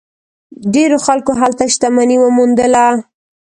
ډیرو خلکو هلته شتمني وموندله.